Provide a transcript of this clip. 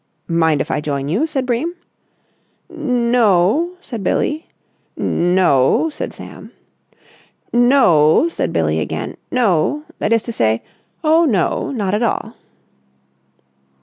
"Mind if I join you?" said Bream. "N—no," said Billie. "N—no," said Sam. "No," said Billie again. "No ... that is to say ... oh no, not at all."